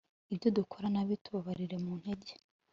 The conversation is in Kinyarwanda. ibyo dukora nabi tubabarire, mu ntege